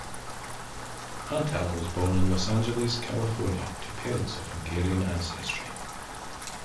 Antal was born in Los Angeles, California, to parents of Hungarian ancestry.